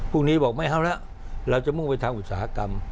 พรุ่งนี้บอกไม่เอาแล้วเราจะมุ่งไปทางอุตสาหกรรม